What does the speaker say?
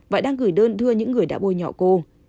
và đang gửi đơn thưa những người đã bôi nhỏ cô